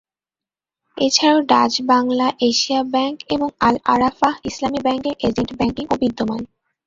এছাড়াও Dutch Bangla, Asia bank এবং আল-আরাফাহ ইসলামি ব্যাংকের এজেন্ট ব্যাংকিং ও বিদ্যমান।